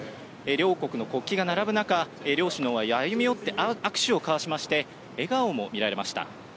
両国の国旗が並ぶ中、両首脳は歩み寄って握手を交わしまして、笑顔も見られました。